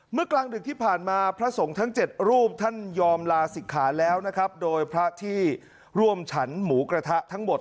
เมื่อกลางดึกที่ผ่านมาพระสงฆ์ทั้ง๗รูปท่านยอมลาศิกขาแล้วนะครับ